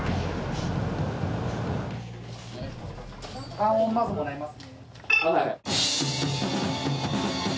単音まずもらいますね。